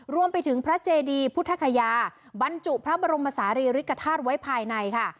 รวมไปถึงพระเจดีพุทธคยาบรรจุพระบรมศาลีริกฐาตุไว้ภายในค่ะ